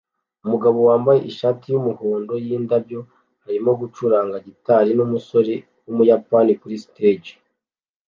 Umugabo wambaye ishati yumuhondo yindabyo arimo gucuranga gitari numusore wumuyapani kuri stage